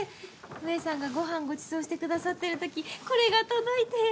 上さんがご飯ごちそうしてくださってる時これが届いて。